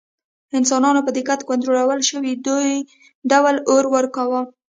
انسانانو په دقت کنټرول شوي ډول اور وکاراوه.